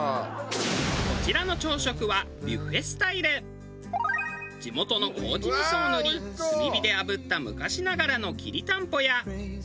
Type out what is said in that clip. こちらの地元のこうじ味噌を塗り炭火であぶった昔ながらのきりたんぽや。